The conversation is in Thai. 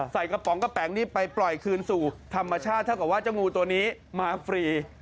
ใส่กระป๋องกระแป๋งนี่ไปปล่อยคืนสู่ธรรมชาติเท่ากับว่าเจ้างูตัวนี้มาฟรี